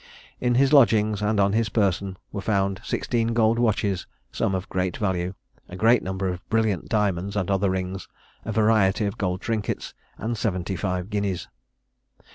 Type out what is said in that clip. In his lodgings, and on his person, were found sixteen gold watches, some of great value; a great number of brilliant diamond and other rings; a variety of gold trinkets; and seventy five guineas.